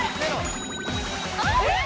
あっ！